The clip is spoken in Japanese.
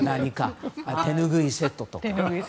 手ぬぐいセットとか。